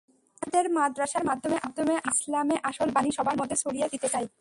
আমাদের মাদ্রাসার মাধ্যমে আমরা ইসলামে আসল বাণী সবার মধ্যে ছড়িয়ে দিতে চাই।